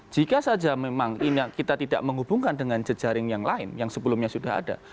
jika saja memang kita tidak menghubungkan dengan jejaring yang lain yang sebelumnya sudah ada